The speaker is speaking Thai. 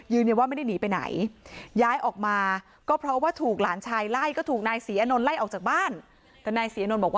ยืนยังว่าไม่ได้หนีไปไหน